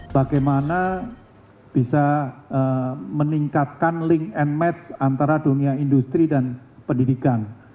bagaimana bisa meningkatkan link and match antara dunia industri dan pendidikan